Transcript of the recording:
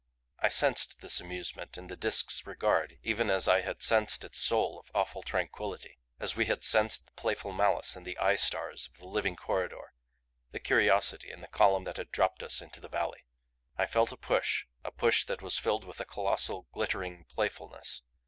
I sensed this amusement in the Disk's regard even as I had sensed its soul of awful tranquillity; as we had sensed the playful malice in the eye stars of the living corridor, the curiosity in the column that had dropped us into the valley. I felt a push a push that was filled with a colossal, GLITTERING playfulness.